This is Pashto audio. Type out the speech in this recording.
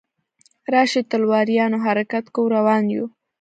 راشئ تلواریانو حرکت کوو روان یو.